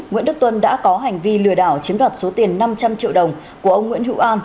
nguyễn đức tuân đã có hành vi lừa đảo chiếm đoạt số tiền năm trăm linh triệu đồng của ông nguyễn hữu an